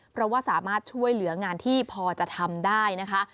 เพราะว่าสามารถช่วยเหลืองานที่พอจะทำได้นะคะ